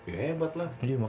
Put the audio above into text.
ya hebat lah